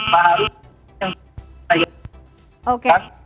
pak harisaya yang